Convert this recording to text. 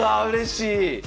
うれしい。